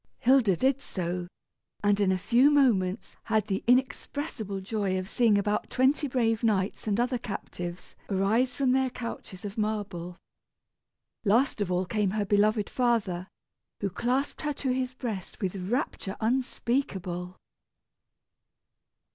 Hilda did so, and in a few moments had the inexpressible joy of seeing about twenty brave knights and other captives arise from their couches of marble. Last of all came her beloved father, who clasped her to his breast with rapture unspeakable.